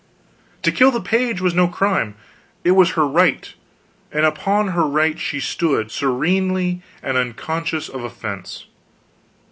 To kill the page was no crime it was her right; and upon her right she stood, serenely and unconscious of offense.